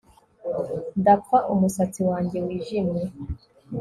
Ndapfa umusatsi wanjye wijimye